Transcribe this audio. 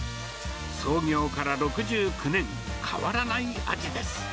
創業から６９年、変わらない味です。